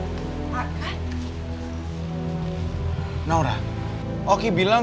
ada saya sendiri yang terlalu cepat menghilang